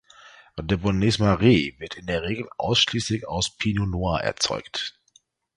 Der Bonnes-Mares wird in der Regel ausschließlich aus Pinot Noir erzeugt.